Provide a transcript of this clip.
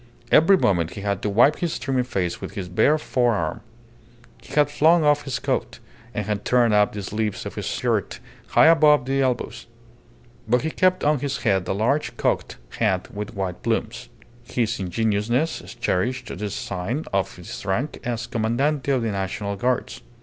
Every moment he had to wipe his streaming face with his bare fore arm; he had flung off his coat, and had turned up the sleeves of his shirt high above the elbows; but he kept on his head the large cocked hat with white plumes. His ingenuousness cherished this sign of his rank as Commandante of the National Guards.